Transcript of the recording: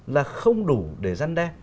là không đủ để răn đe